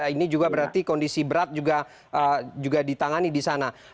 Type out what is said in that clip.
ini juga berarti kondisi berat juga ditangani di sana